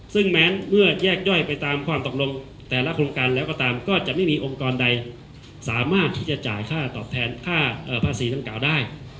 ซึ่งแม้เมื่อแยกย่อยไปตามความตกลงแต่ละโครงการแล้วก็ตามก็จะไม่มีองค์กรใดสามารถที่จะจ่ายค่าตอบแทนค่าภาษีดังกล่าวได้